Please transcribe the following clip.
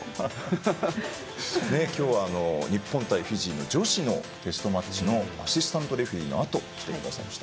今日は日本対フィジーの女子のテストマッチのアシスタントレフリーのあと来てくださいました。